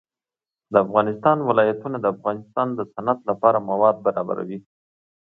د افغانستان ولايتونه د افغانستان د صنعت لپاره مواد برابروي.